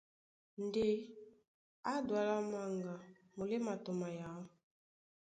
Ndé ǎ Dualá Manga, muléma tɔ mayǎ.